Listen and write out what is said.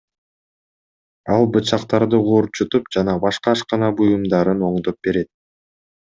Ал бычактарды куурчутуп жана башка ашкана буюмдарын оңдоп берет.